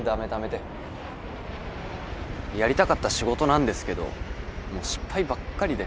やりたかった仕事なんですけどもう失敗ばっかりで。